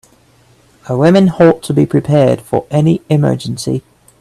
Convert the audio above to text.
A woman ought to be prepared for any emergency.